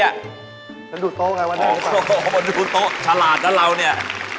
แล้วดูโต๊ะไงวันนี้ก่อนโอ้โฮดูโต๊ะฉลาดนะเราเนี่ย